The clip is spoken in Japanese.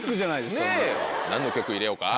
何の曲入れようか？